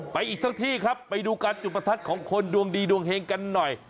ไปอีกทั้งที่ครับไปดูการจุดประทัดของคนดวงดีดวงเฮงกันหน่อย